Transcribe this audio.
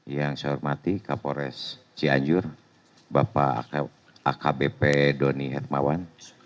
yang saya hormati kapolres cianjur bapak akbp doni hermawan